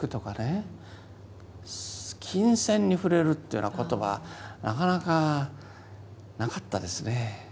琴線に触れるっていうような言葉はなかなかなかったですね。